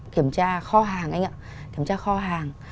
kiểm tra kho hàng anh ạ kiểm tra kho hàng